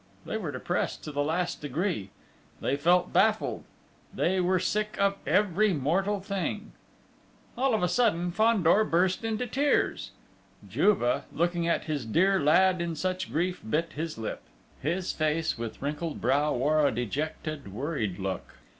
They were depressed to the last degree; they felt baffled: they were sick of every mortal thing! All of a sudden, Fandor burst into tears. Juve, looking at his dear lad in such grief, bit his lip; his face with wrinkled brow wore a dejected, worried look.